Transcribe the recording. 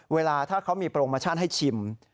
เวลาถ้าเขามีโปรโมชั่นให้ชิม